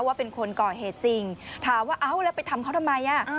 ว่าเป็นคนก่อเหตุจริงถามว่าเอ้าแล้วไปทำเขาทำไมอ่ะ